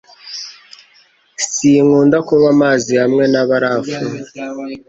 Sinkunda kunywa amazi hamwe na barafu